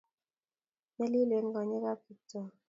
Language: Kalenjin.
Nyalilen konyek ap Kiptoo.